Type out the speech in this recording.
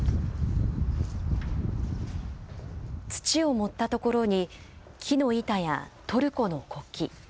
土を盛った所に、木の板やトルコの国旗。